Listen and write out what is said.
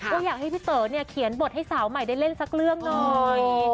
ก็อยากให้พี่เต๋อเนี่ยเขียนบทให้สาวใหม่ได้เล่นสักเรื่องหน่อย